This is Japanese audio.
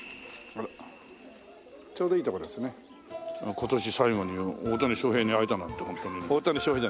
今年最後に大谷翔平に会えたなんてホントに大谷翔平じゃない。